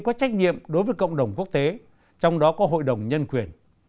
có trách nhiệm đối với cộng đồng quốc tế trong đó có hội đồng nhân quyền